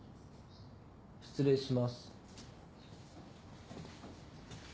失礼します。